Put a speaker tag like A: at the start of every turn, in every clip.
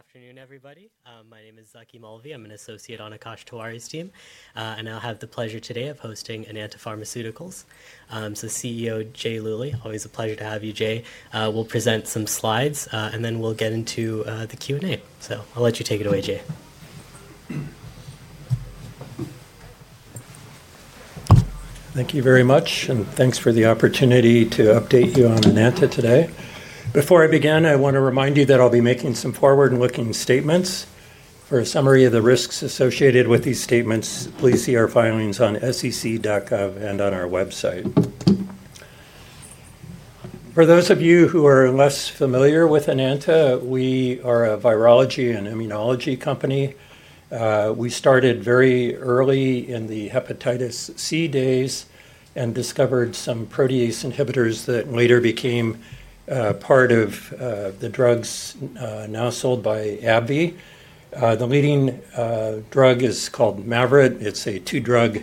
A: Good afternoon, everybody. My name is Zaki Malvi. I'm an associate on Akash Tawari's team, and I'll have the pleasure today of hosting Enanta Pharmaceuticals. CEO Jay Luly, always a pleasure to have you, Jay. We'll present some slides, and then we'll get into the Q&A. I'll let you take it away, Jay.
B: Thank you very much, and thanks for the opportunity to update you on Enanta today. Before I begin, I want to remind you that I'll be making some forward-looking statements. For a summary of the risks associated with these statements, please see our filings on sec.gov and on our website. For those of you who are less familiar with Enanta, we are a virology and immunology company. We started very early in the hepatitis C days and discovered some protease inhibitors that later became part of the drugs now sold by AbbVie. The leading drug is called Mavyret. It's a two-drug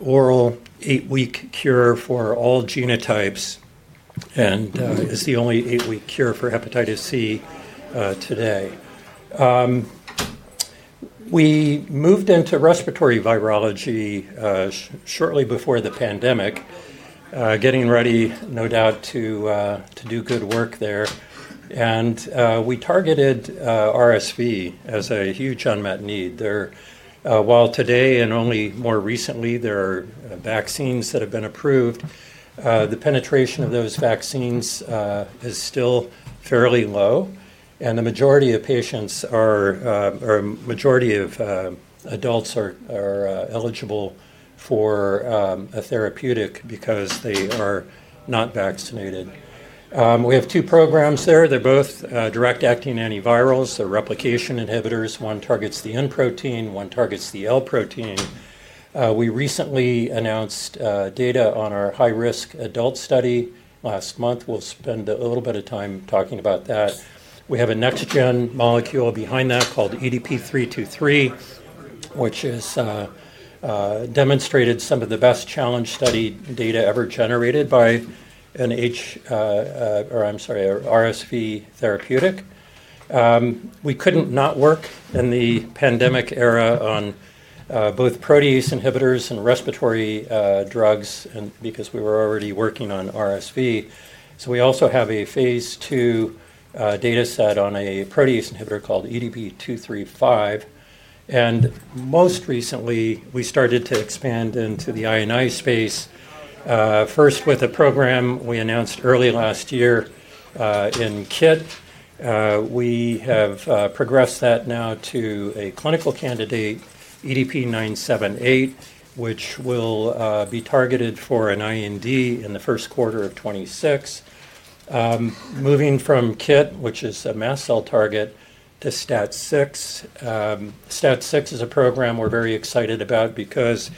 B: oral eight-week cure for all genotypes and is the only eight-week cure for hepatitis C today. We moved into respiratory virology shortly before the pandemic, getting ready, no doubt, to do good work there. We targeted RSV as a huge unmet need. While today and only more recently there are vaccines that have been approved, the penetration of those vaccines is still fairly low, and the majority of patients are—or the majority of adults are eligible for a therapeutic because they are not vaccinated. We have two programs there. They're both direct-acting antivirals. They're replication inhibitors. One targets the N protein. One targets the L protein. We recently announced data on our high-risk adult study last month. We'll spend a little bit of time talking about that. We have a next-gen molecule behind that called EDP-323, which has demonstrated some of the best challenge study data ever generated by an—I'm sorry, RSV therapeutic. We couldn't not work in the pandemic era on both protease inhibitors and respiratory drugs because we were already working on RSV. We also have a phase two data set on a protease inhibitor called EDP-235. Most recently, we started to expand into the INI space, first with a program we announced early last year in KIT. We have progressed that now to a clinical candidate, EDP-978, which will be targeted for an IND in the first quarter of 2026, moving from KIT, which is a mast cell target, to STAT6. STAT6 is a program we're very excited about because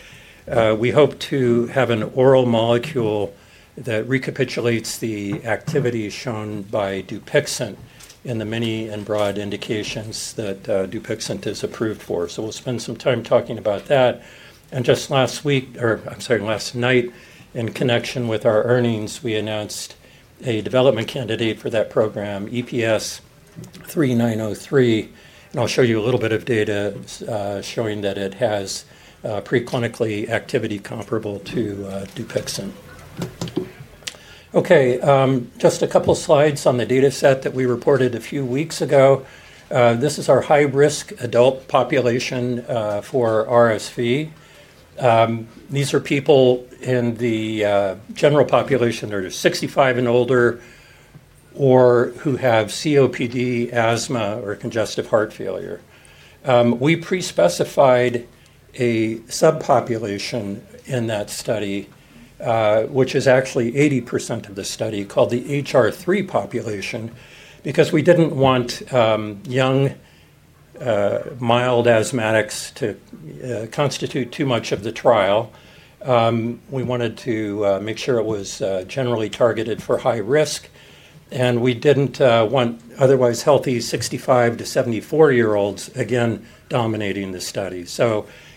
B: we hope to have an oral molecule that recapitulates the activity shown by Dupixent in the many and broad indications that Dupixent is approved for. We will spend some time talking about that. Just last night, in connection with our earnings, we announced a development candidate for that program, EPS-3903. I will show you a little bit of data showing that it has pre-clinically activity comparable to Dupixent. Okay. Just a couple of slides on the data set that we reported a few weeks ago. This is our high-risk adult population for RSV. These are people in the general population that are 65 and older or who have COPD, asthma, or congestive heart failure. We pre-specified a subpopulation in that study, which is actually 80% of the study, called the HR3 population because we did not want young, mild asthmatics to constitute too much of the trial. We wanted to make sure it was generally targeted for high risk, and we did not want otherwise healthy 65 to 74-year-olds, again, dominating the study.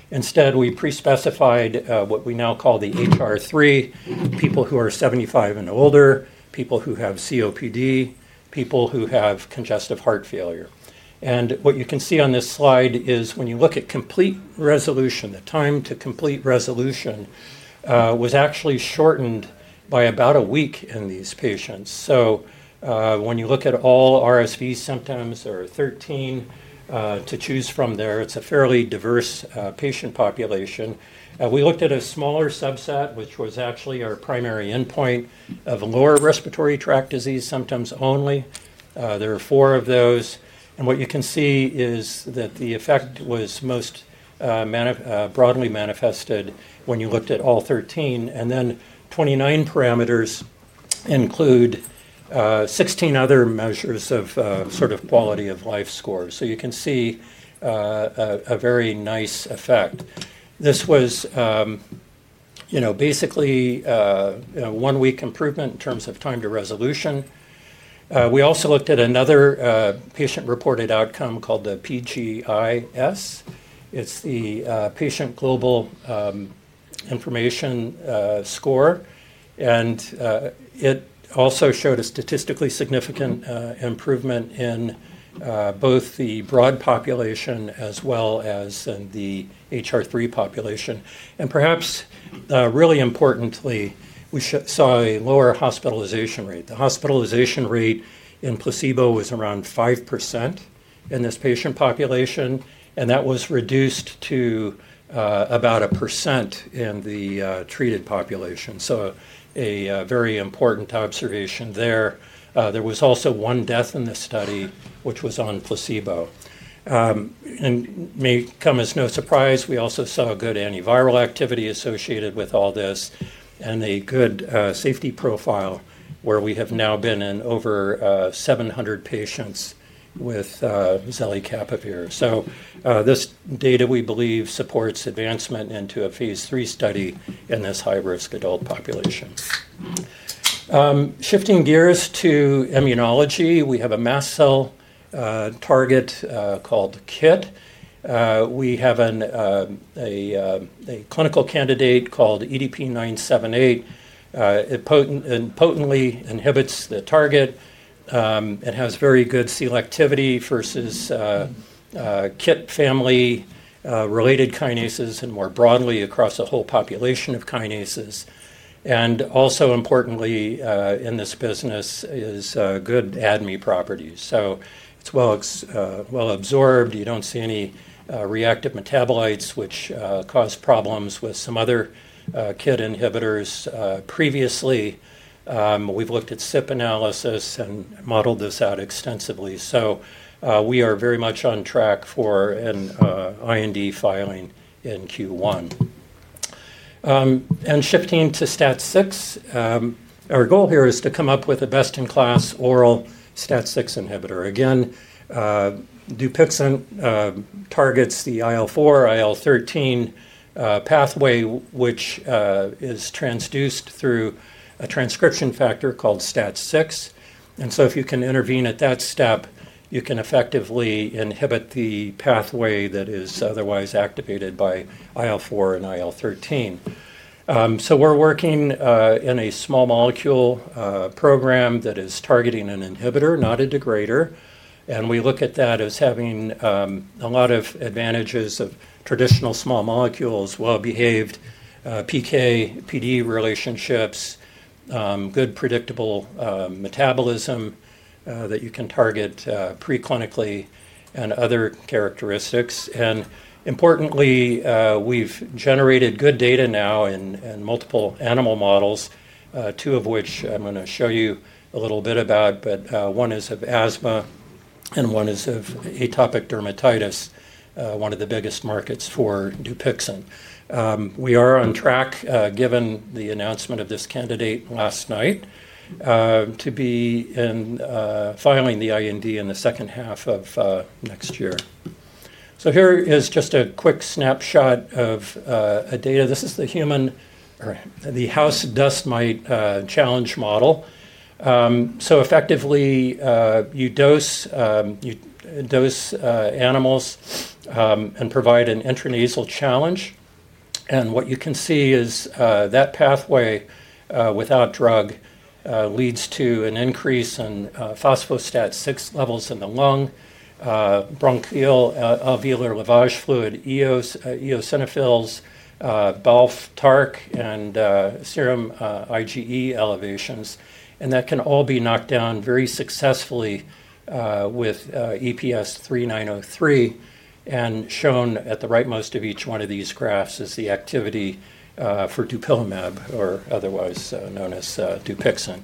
B: Instead, we pre-specified what we now call the HR3: people who are 75 and older, people who have COPD, people who have congestive heart failure. What you can see on this slide is when you look at complete resolution, the time to complete resolution was actually shortened by about a week in these patients. When you look at all RSV symptoms, there are 13 to choose from there. It is a fairly diverse patient population. We looked at a smaller subset, which was actually our primary endpoint, of lower respiratory tract disease symptoms only. There are four of those. What you can see is that the effect was most broadly manifested when you looked at all 13. Then 29 parameters include 16 other measures of sort of quality of life scores. You can see a very nice effect. This was basically a one-week improvement in terms of time to resolution. We also looked at another patient-reported outcome called the PGIS. It is the Patient Global Impression of Score. It also showed a statistically significant improvement in both the broad population as well as in the HR3 population. Perhaps really importantly, we saw a lower hospitalization rate. The hospitalization rate in placebo was around 5% in this patient population, and that was reduced to about 1% in the treated population. A very important observation there. There was also one death in the study, which was on placebo. It may come as no surprise, we also saw good antiviral activity associated with all this and a good safety profile where we have now been in over 700 patients with Zelicapavir. This data, we believe, supports advancement into a phase three study in this high-risk adult population. Shifting gears to immunology, we have a mast cell target called KIT. We have a clinical candidate called EDP-978. It potently inhibits the target. It has very good selectivity versus KIT family-related kinases and more broadly across a whole population of kinases. Also importantly in this business is good ADME properties. It's well absorbed. You don't see any reactive metabolites which cause problems with some other KIT inhibitors previously. We've looked at SIP analysis and modeled this out extensively. We are very much on track for an IND filing in Q1. Shifting to STAT6, our goal here is to come up with a best-in-class oral STAT6 inhibitor. Again, Dupixent targets the IL-4, IL-13 pathway, which is transduced through a transcription factor called STAT6. If you can intervene at that step, you can effectively inhibit the pathway that is otherwise activated by IL-4 and IL-13. We're working in a small molecule program that is targeting an inhibitor, not a degrader. We look at that as having a lot of advantages of traditional small molecules, well-behaved PK/PD relationships, good predictable metabolism that you can target pre-clinically, and other characteristics. Importantly, we've generated good data now in multiple animal models, two of which I'm going to show you a little bit about, but one is of asthma and one is of atopic dermatitis, one of the biggest markets for Dupixent. We are on track, given the announcement of this candidate last night, to be in filing the IND in the second half of next year. Here is just a quick snapshot of data. This is the human or the house dust mite challenge model. Effectively, you dose animals and provide an intranasal challenge. What you can see is that pathway without drug leads to an increase in phospholipid levels in the lung, bronchial alveolar lavage fluid, eosinophils, BAL TARC, and serum IgE elevations. That can all be knocked down very successfully with EPS-3903 and shown at the rightmost of each one of these graphs as the activity for Dupilumab, or otherwise known as Dupixent.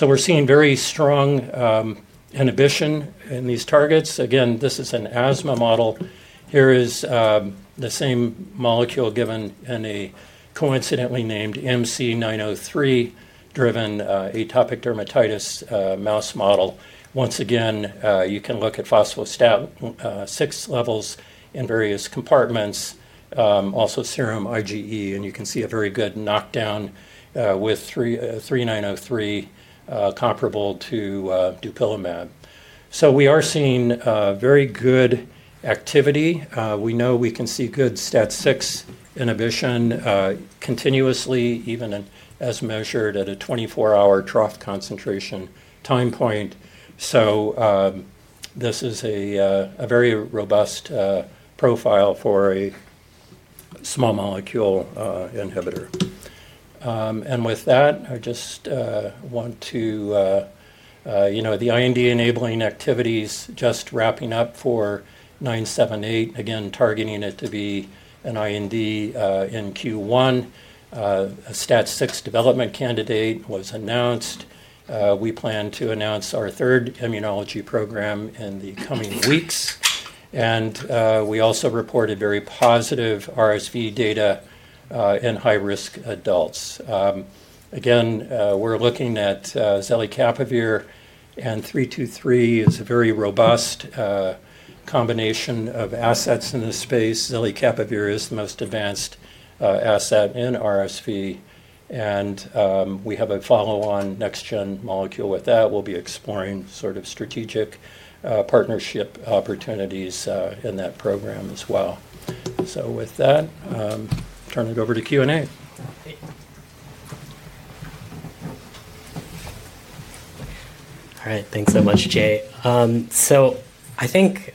B: We are seeing very strong inhibition in these targets. Again, this is an asthma model. Here is the same molecule given in a coincidentally named MC903-driven atopic dermatitis mouse model. Once again, you can look at phospholipid levels in various compartments, also serum IgE, and you can see a very good knockdown with EPS-3903 comparable to Dupilumab. We are seeing very good activity. We know we can see good STAT6 inhibition continuously, even as measured at a 24-hour trough concentration time point. This is a very robust profile for a small molecule inhibitor. With that, I just want to, you know, the IND enabling activities just wrapping up for EPD-978, again, targeting it to be an IND in Q1. A STAT6 development candidate was announced. We plan to announce our third immunology program in the coming weeks. We also reported very positive RSV data in high-risk adults. Again, we're looking at Zelicapavir, and EPD-323 is a very robust combination of assets in this space. Zelicapavir is the most advanced asset in RSV. We have a follow-on next-gen molecule with that. We'll be exploring sort of strategic partnership opportunities in that program as well. With that, I'll turn it over to Q&A.
A: All right. Thanks so much, Jay. I think,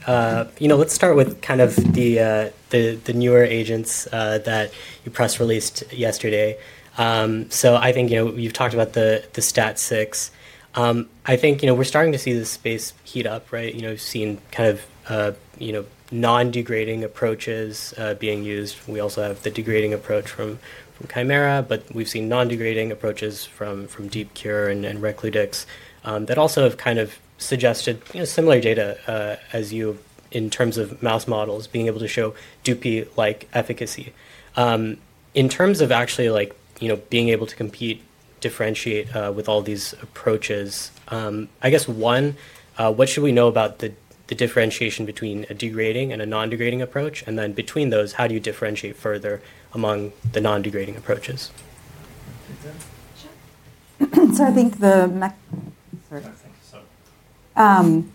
A: you know, let's start with kind of the newer agents that you press released yesterday. I think, you know, we've talked about the STAT6. I think, you know, we're starting to see the space heat up, right? You know, we've seen kind of non-degrading approaches being used. We also have the degrading approach from Chimera, but we've seen non-degrading approaches from Deepcure and Recludix that also have kind of suggested similar data as you in terms of mouse models being able to show DUPI-like efficacy. In terms of actually, like, you know, being able to compete, differentiate with all these approaches, I guess, one, what should we know about the differentiation between a degrading and a non-degrading approach? And then between those, how do you differentiate further among the non-degrading approaches? Sure. I think the—sorry. Thank you.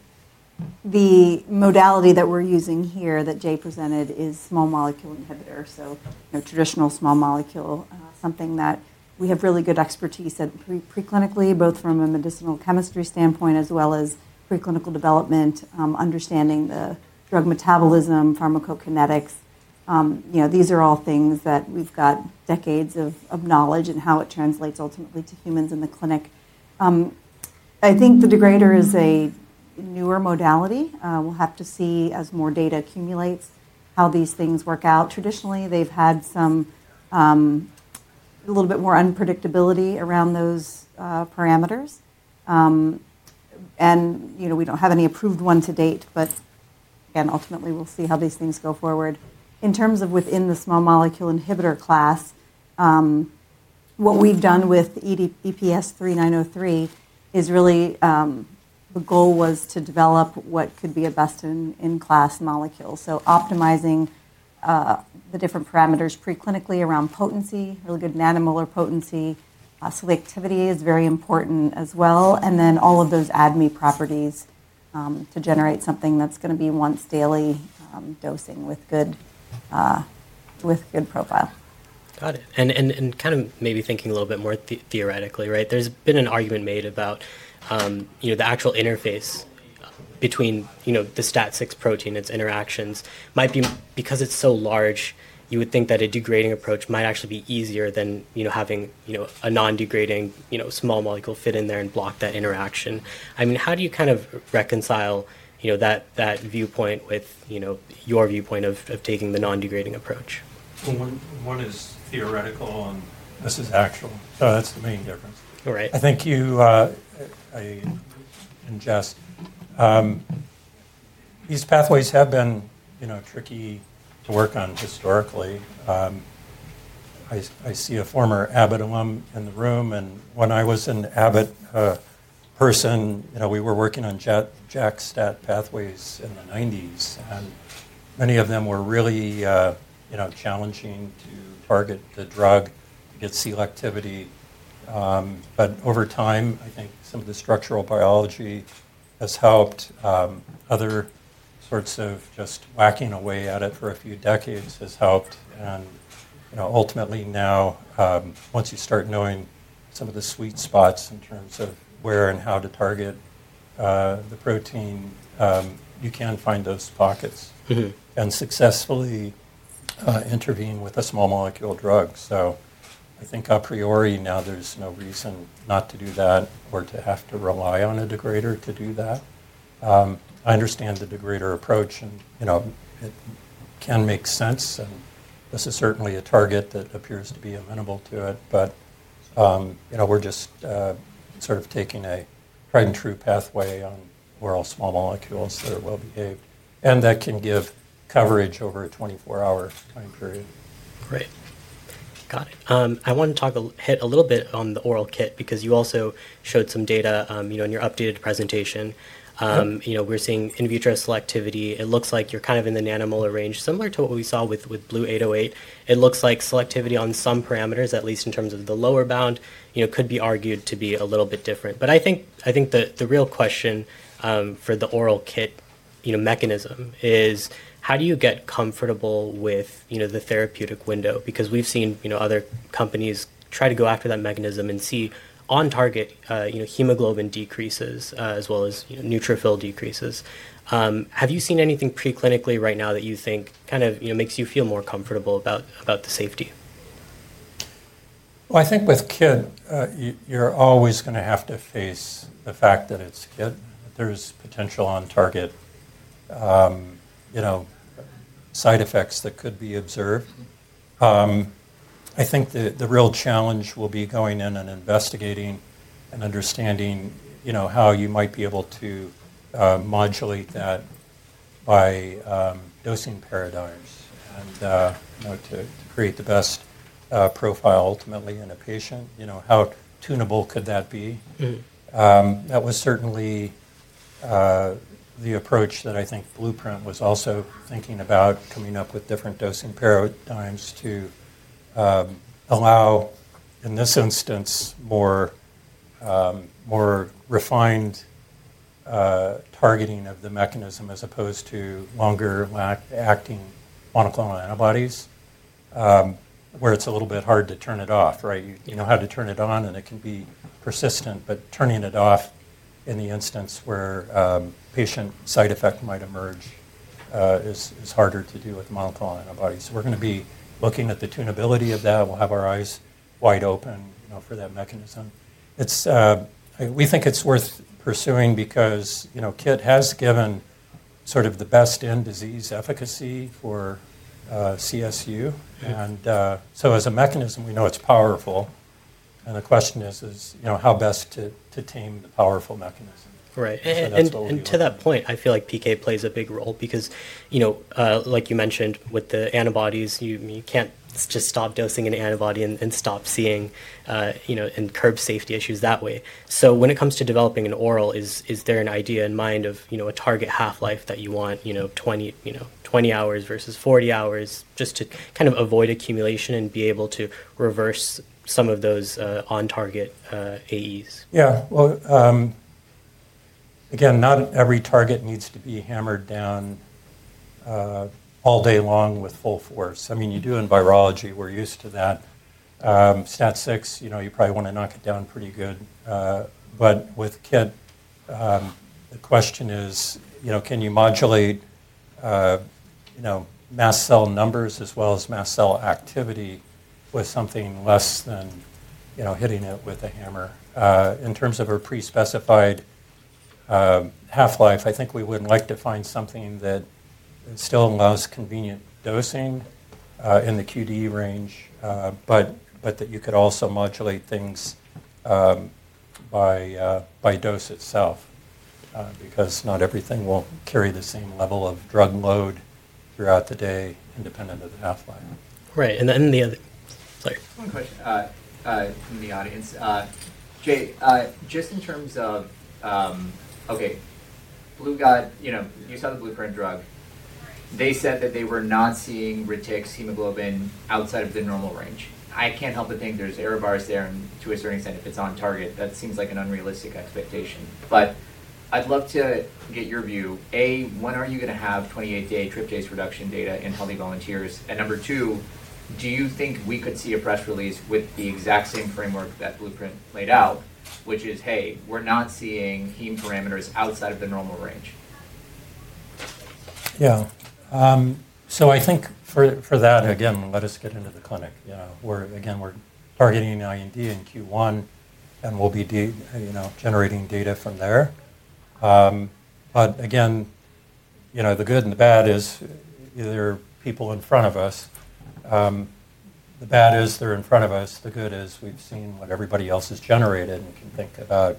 A: The modality that we're using here that Jay presented is small molecule inhibitor. You know, traditional small molecule, something that we have really good expertise at pre-clinically, both from a medicinal chemistry standpoint as well as pre-clinical development, understanding the drug metabolism, pharmacokinetics. You know, these are all things that we've got decades of knowledge and how it translates ultimately to humans in the clinic. I think the degrader is a newer modality. We'll have to see as more data accumulates how these things work out. Traditionally, they've had some a little bit more unpredictability around those parameters. You know, we don't have any approved one to date, but again, ultimately, we'll see how these things go forward. In terms of within the small molecule inhibitor class, what we've done with EPS-3903 is really the goal was to develop what could be a best-in-class molecule. Optimizing the different parameters pre-clinically around potency, really good nanomolar potency. Selectivity is very important as well. And then all of those ADME properties to generate something that's going to be once-daily dosing with good profile. Got it. Kind of maybe thinking a little bit more theoretically, right? There's been an argument made about, you know, the actual interface between, you know, the STAT6 protein, its interactions. Might be because it's so large, you would think that a degrading approach might actually be easier than, you know, having, you know, a non-degrading, you know, small molecule fit in there and block that interaction. I mean, how do you kind of reconcile, you know, that viewpoint with, you know, your viewpoint of taking the non-degrading approach?
B: One is theoretical and this is actual. That's the main difference.
A: All right.
B: I think you—I ingest. These pathways have been, you know, tricky to work on historically. I see a former Abbott alum in the room. And when I was an Abbott person, you know, we were working on JAK/STAT pathways in the 1990s. And many of them were really, you know, challenging to target the drug, get selectivity. Over time, I think some of the structural biology has helped. Other sorts of just whacking away at it for a few decades has helped. You know, ultimately now, once you start knowing some of the sweet spots in terms of where and how to target the protein, you can find those pockets and successfully intervene with a small molecule drug. I think a priori now there's no reason not to do that or to have to rely on a degrader to do that. I understand the degrader approach and, you know, it can make sense. This is certainly a target that appears to be amenable to it. You know, we're just sort of taking a tried-and-true pathway on oral small molecules that are well-behaved. That can give coverage over a 24-hour time period.
A: Great. Got it. I want to talk a little bit on the oral KIT because you also showed some data, you know, in your updated presentation. You know, we're seeing in vitro selectivity. It looks like you're kind of in the nanomolar range, similar to what we saw with BLU-808. It looks like selectivity on some parameters, at least in terms of the lower bound, you know, could be argued to be a little bit different. I think the real question for the oral KIT, you know, mechanism is how do you get comfortable with, you know, the therapeutic window? Because we've seen, you know, other companies try to go after that mechanism and see on-target, you know, hemoglobin decreases as well as neutrophil decreases. Have you seen anything pre-clinically right now that you think kind of, you know, makes you feel more comfortable about the safety?
B: I think with KIT, you're always going to have to face the fact that it's KIT. There's potential on-target, you know, side effects that could be observed. I think the real challenge will be going in and investigating and understanding, you know, how you might be able to modulate that by dosing paradigms and, you know, to create the best profile ultimately in a patient. You know, how tunable could that be? That was certainly the approach that I think Blueprint was also thinking about, coming up with different dosing paradigms to allow, in this instance, more refined targeting of the mechanism as opposed to longer-acting monoclonal antibodies, where it's a little bit hard to turn it off, right? You know how to turn it on and it can be persistent, but turning it off in the instance where a patient side effect might emerge is harder to do with monoclonal antibodies. We're going to be looking at the tunability of that. We'll have our eyes wide open, you know, for that mechanism. We think it's worth pursuing because, you know, KIT has given sort of the best-in-disease efficacy for CSU. As a mechanism, we know it's powerful. The question is, is, you know, how best to tame the powerful mechanism.
A: Right. And to that point, I feel like PK plays a big role because, you know, like you mentioned, with the antibodies, you can't just stop dosing an antibody and stop seeing, you know, and curb safety issues that way. When it comes to developing an oral, is there an idea in mind of, you know, a target half-life that you want, you know, 20 hours versus 40 hours just to kind of avoid accumulation and be able to reverse some of those on-target AEs?
B: Yeah. Again, not every target needs to be hammered down all day long with full force. I mean, you do in virology, we're used to that. STAT6, you know, you probably want to knock it down pretty good. With KIT, the question is, you know, can you modulate, you know, mast cell numbers as well as mast cell activity with something less than, you know, hitting it with a hammer? In terms of our pre-specified half-life, I think we would like to find something that still allows convenient dosing in the QD range, but that you could also modulate things by dose itself because not everything will carry the same level of drug load throughout the day independent of the half-life.
A: Right.
B: And then the other—sorry.
A: One question from the audience. Jay, just in terms of, okay, Blue got, you know, you saw the Blueprint drug. They said that they were not seeing retic hemoglobin outside of the normal range. I can't help but think there's error bars there and to a certain extent, if it's on target, that seems like an unrealistic expectation. I'd love to get your view. A, when are you going to have 28-day trip-dase reduction data in healthy volunteers? Number two, do you think we could see a press release with the exact same framework that Blueprint laid out, which is, hey, we're not seeing heme parameters outside of the normal range?
B: Yeah. So, I think for that, again, let us get into the clinic. You know, we're, again, we're targeting IND in Q1 and we'll be, you know, generating data from there. Again, you know, the good and the bad is there are people in front of us. The bad is they're in front of us. The good is we've seen what everybody else has generated and can think about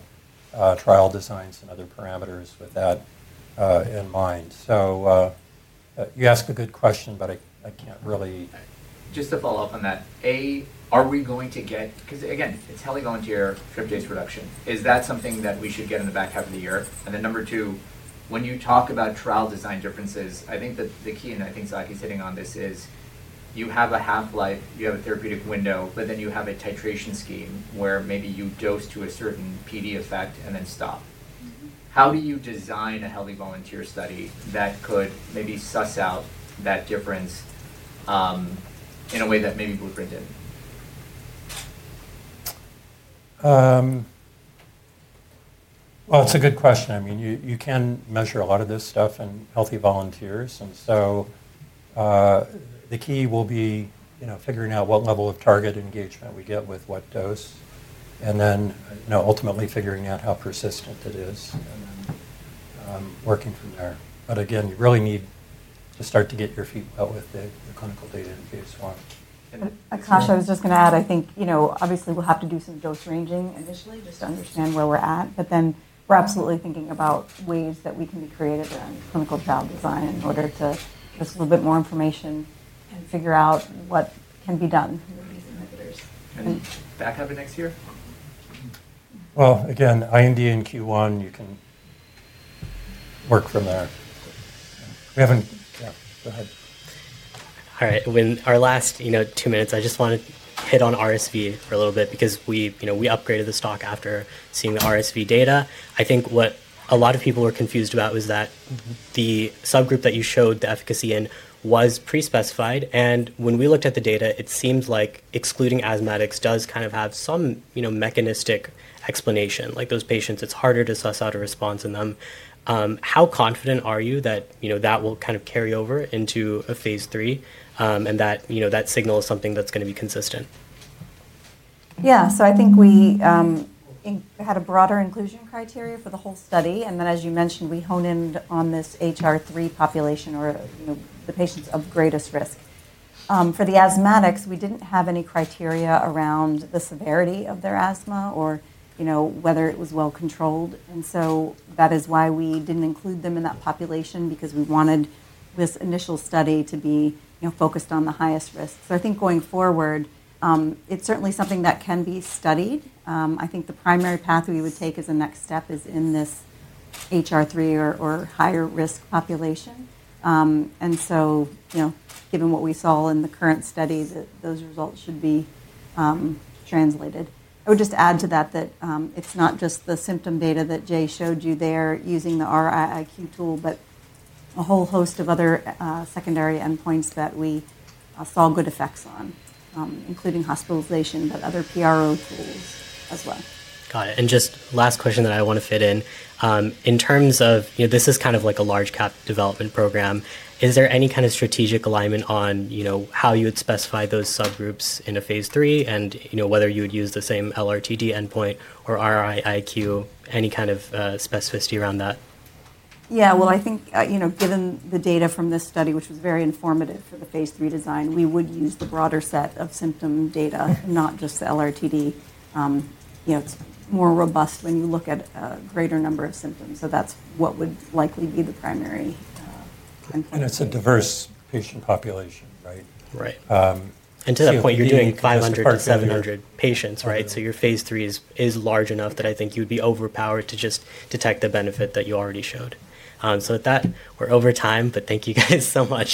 B: trial designs and other parameters with that in mind. You asked a good question, but I can't really—
A: Just to follow up on that, A, are we going to get—because again, it's healthy volunteer tryptase reduction. Is that something that we should get in the back half of the year? Number two, when you talk about trial design differences, I think that the key, and I think Zaki is hitting on this, is you have a half-life, you have a therapeutic window, but then you have a titration scheme where maybe you dose to a certain PD effect and then stop. How do you design a healthy volunteer study that could maybe suss out that difference in a way that maybe Blueprint did not?
B: It's a good question. I mean, you can measure a lot of this stuff in healthy volunteers. The key will be, you know, figuring out what level of target engagement we get with what dose. Then, you know, ultimately figuring out how persistent it is and working from there. Again, you really need to start to get your feet wet with the clinical data in phase one. Akash, I was just going to add, I think, you know, obviously we'll have to do some dose ranging initially just to understand where we're at. We are absolutely thinking about ways that we can be creative around clinical trial design in order to get us a little bit more information and figure out what can be done with these inhibitors.
A: Any backup next year?
B: Again, IND in Q1, you can work from there.
A: We haven't—yeah, go ahead. All right. In our last, you know, two minutes, I just want to hit on RSV for a little bit because we, you know, we upgraded the stock after seeing the RSV data. I think what a lot of people were confused about was that the subgroup that you showed the efficacy in was pre-specified. And when we looked at the data, it seems like excluding asthmatics does kind of have some, you know, mechanistic explanation. Like those patients, it's harder to suss out a response in them. How confident are you that, you know, that will kind of carry over into a phase three and that, you know, that signal is something that's going to be consistent? Yeah. I think we had a broader inclusion criteria for the whole study. And then, as you mentioned, we hone in on this HR3 population or, you know, the patients of greatest risk. For the asthmatics, we did not have any criteria around the severity of their asthma or, you know, whether it was well-controlled. That is why we did not include them in that population because we wanted this initial study to be, you know, focused on the highest risk. I think going forward, it is certainly something that can be studied. I think the primary path we would take as a next step is in this HR3 or higher risk population. You know, given what we saw in the current studies, those results should be translated. I would just add to that that it's not just the symptom data that Jay showed you there using the RIIQ tool, but a whole host of other secondary endpoints that we saw good effects on, including hospitalization, but other PRO tools as well. Got it. And just last question that I want to fit in. In terms of, you know, this is kind of like a large-cap development program, is there any kind of strategic alignment on, you know, how you would specify those subgroups in a phase three and, you know, whether you would use the same LRTD endpoint or RIIQ, any kind of specificity around that? Yeah. I think, you know, given the data from this study, which was very informative for the phase three design, we would use the broader set of symptom data, not just the LRTD. You know, it's more robust when you look at a greater number of symptoms. That's what would likely be the primary endpoint.
B: It's a diverse patient population, right?
A: Right. And to that point, you're doing 500 or 700 patients, right? Your phase three is large enough that I think you would be overpowered to just detect the benefit that you already showed. With that, we're over time, but thank you guys so much.